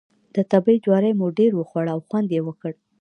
د تبۍ جواری مو ډېر وخوړ او خوند یې وکړ.